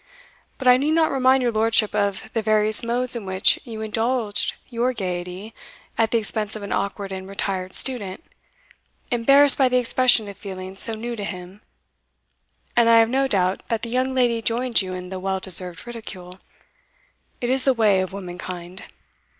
But I need not remind your lordship of the various modes in which you indulged your gaiety at the expense of an awkward and retired student, embarrassed by the expression of feelings so new to him, and I have no doubt that the young lady joined you in the well deserved ridicule it is the way of womankind.